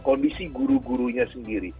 kondisi guru gurunya sendiri